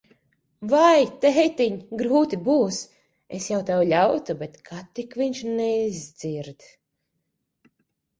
Vai, tētiņ, grūti būs. Es jau tev ļautu, bet ka tik viņš neizdzird.